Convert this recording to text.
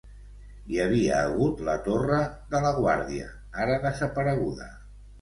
Hi havia hagut la Torre de la Guàrdia, ara desapareguda.